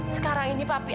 sekarang ini papi